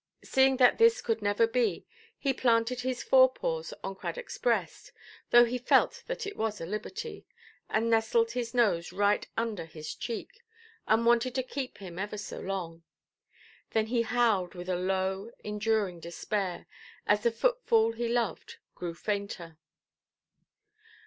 Seeing that this could never be, he planted his fore–paws on Cradockʼs breast (though he felt that it was a liberty) and nestled his nose right under his cheek, and wanted to keep him ever so long. Then he howled with a low, enduring despair, as the footfall he loved grew fainter.